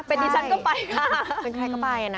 เป็นดิฉันก็ไปค่ะ